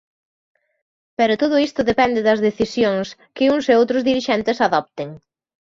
Pero todo isto depende das decisión que uns e outros dirixentes adopten.